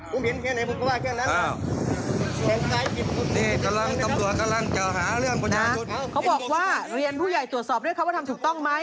เขาบอกว่าเรียนผู้ใหญ่ตรวจสอบด้วยครับว่าทำถูกต้องไหม